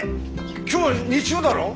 今日は日曜だろ？